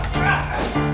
cepat mas mas